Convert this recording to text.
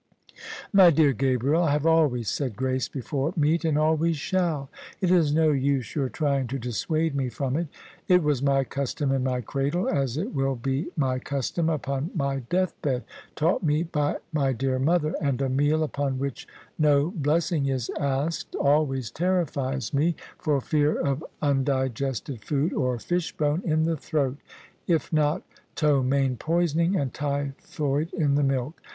" My dear Gabriel, I have always said grace before meat and always shall: it Is no use your trying to dissuade me from it. It was my custom in my cradle, as it will be my custom upon my death bed, taught me by my dear mother: and a meal upon which no blessing is asked dlwsys terrifies [i8i] THE SUBJECTION me, for fear of undigested food or fish bone in the throat, if not ptomaine poisoning and typhoid in the milk.